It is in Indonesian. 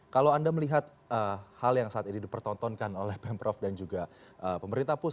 kalau anda melihat hal yang saat ini dipertontonkan oleh pemprov dan juga pemerintah